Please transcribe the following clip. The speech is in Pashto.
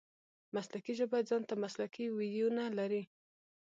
مسلکي ژبه ځان ته مسلکي وییونه لري.